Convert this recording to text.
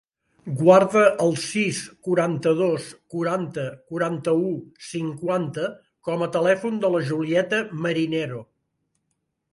Guarda el sis, quaranta-dos, quaranta, quaranta-u, cinquanta com a telèfon de la Julieta Merinero.